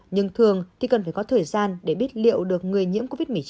nhưng thường thì cần phải có thời gian để biết liệu được người nhiễm covid một mươi chín